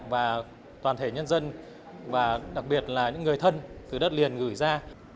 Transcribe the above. và toàn thể nhân dân và đặc biệt là những người thân từ đất liền gửi ra